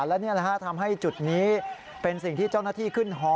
แล้วทำให้จุดนี้เป็นสิ่งที่เจ้าหน้าที่ขึ้นห่อ